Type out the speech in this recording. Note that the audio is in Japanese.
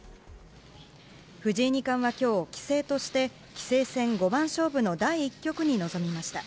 藤井二冠は今日、棋聖として棋聖戦五番勝負の第１局に臨みました。